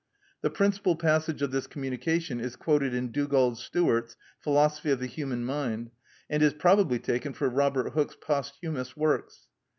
The principal passage of this communication is quoted in Dugald Stewart's "Philosophy of the Human Mind," and is probably taken from Robert Hooke's Posthumous Works.